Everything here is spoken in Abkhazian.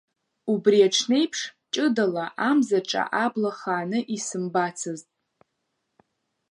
Убри аҽнеиԥш, ҷыдала, Амзаҿа абла хааны исымбацызт…